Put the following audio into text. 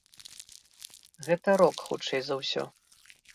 Гэта рок, хутчэй за ўсё.